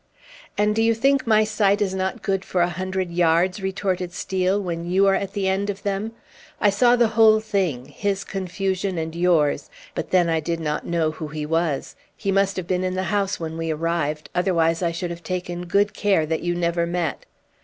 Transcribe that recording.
"And do you think my sight is not good for a hundred yards," retorted Steel, "when you are at the end of them? I saw the whole thing his confusion and yours but then I did not know who he was. He must have been in the house when we arrived; otherwise I should have taken good care that you never met.